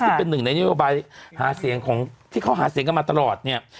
ซึ่งเป็นหนึ่งในนโยบายหาเสียงของที่เขาหาเสียงกันมาตลอดเนี่ย